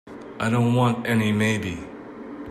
I don't want any maybe.